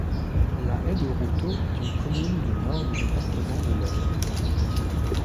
La Haye-de-Routot est une commune du Nord du département de l'Eure.